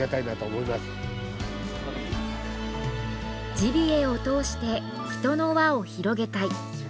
ジビエを通して人の輪を広げたい。